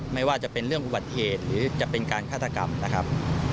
ไม่ว่าจะเป็นเรื่องอุบัติเหตุหรือจะเป็นการฆาตกรรมนะครับ